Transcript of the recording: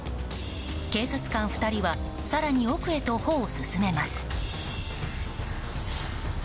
警察官２人は更に奥へと歩を進めます。